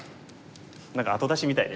何か後出しみたい。